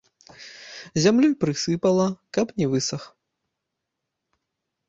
Зямлёй прысыпала, каб не высах.